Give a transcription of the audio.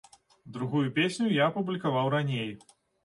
Другую песню я апублікаваў раней.